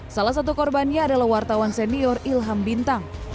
salah satu korbannya adalah wartawan senior ilham bintang